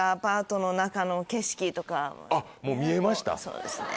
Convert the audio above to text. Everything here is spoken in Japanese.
そうですね。